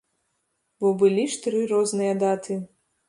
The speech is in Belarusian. Бо былі ж тры розныя даты.